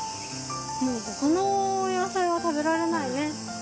もう他の野菜は食べられないね。